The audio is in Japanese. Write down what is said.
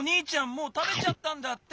もうたべちゃったんだって。